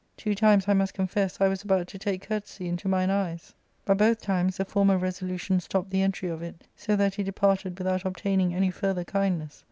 Two times, I must confess, I was about to take courtesy into mine eyes ; but both times the former resolution stopped the entry of it, so that he departed without obtaining any further kindness.